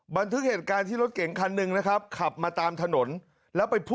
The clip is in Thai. บันทึกเหตุการณ์ที่รถเก่งคันหนึ่งนะครับขับมาตามถนนแล้วไปพูด